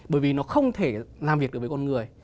bởi vì nó không thể làm việc được với con người